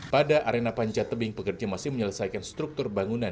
pada arena panjat tebing pekerja masih menyelesaikan struktur bangunan